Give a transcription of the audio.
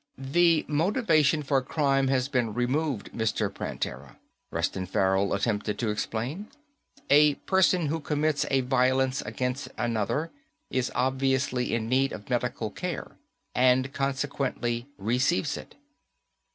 "The motivation for crime has been removed, Mr. Prantera," Reston Farrell attempted to explain. "A person who commits a violence against another is obviously in need of medical care. And, consequently, receives it."